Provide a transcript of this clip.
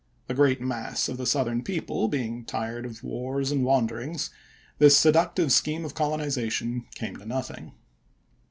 The great mass of the South ern people being tired of wars and wanderings, this seductive scheme of colonization came to nothing.